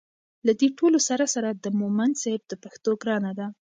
له دې ټولو سره سره د مومند صیب د پښتو ګرانه ده